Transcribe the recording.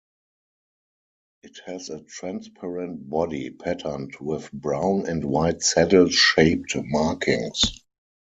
It has a transparent body patterned with brown and white saddle shaped markings.